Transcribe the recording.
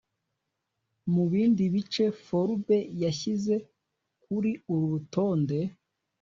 Mu bindi bice Forbes yashyize kuri uru rutonde